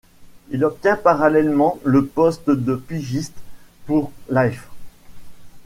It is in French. Il obtient parallèlement le poste de pigiste pour Life.